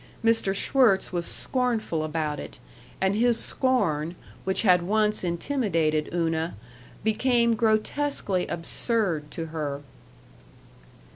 Mr. Schwirtz was scornful about it, and his scorn, which had once intimidated Una, became grotesquely absurd to her.